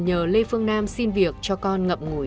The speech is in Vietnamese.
nhờ lê phương nam xin việc cho con ngậm ngùi